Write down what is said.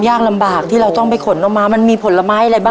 ทับผลไม้เยอะเห็นยายบ่นบอกว่าเป็นยังไงครับ